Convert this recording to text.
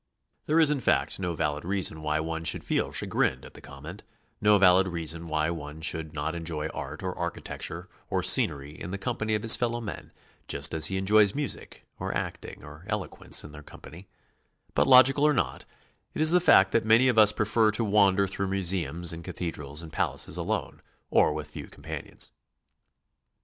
There is, in fact, no valid reason why one should feel chagrined at the comment, no valid reason why one shcnld not enjoy art or architecture or scenery in the company of his fellow men just as he enjoys music or acting or eloquence in their company, but logical or not, it is the fact that many of us prefer to wander through museums and cathedrals and palaces alone or with few companions.